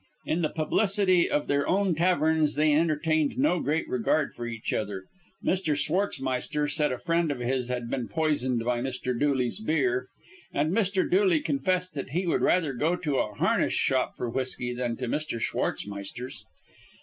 In the publicity of their own taverns they entertained no great regard for each other. Mr. Schwartzmeister said a friend of his had been poisoned by Mr. Dooley's beer, and Mr. Dooley confessed that he would rather go to a harness shop for whiskey than to Mr. Schwartzmeister's.